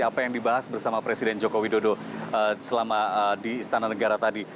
apa yang dibahas bersama presiden joko widodo selama di istana negara tadi